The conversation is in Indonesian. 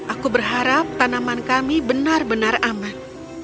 aku berharap tanaman kami benar benar aman